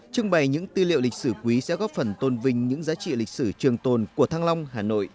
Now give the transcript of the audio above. trưng bày những tư liệu lịch sử quý sẽ góp phần tôn vinh những giá trị lịch sử trường tồn của thăng long hà nội